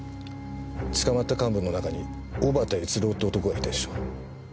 捕まった幹部の中に小幡悦郎って男がいたでしょ。